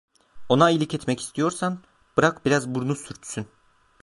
Ona iyilik etmek istiyorsan bırak biraz burnu sürtsün…